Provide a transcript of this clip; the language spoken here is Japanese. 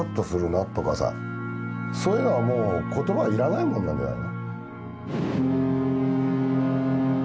そういうのはもう言葉要らないもんなんじゃないの？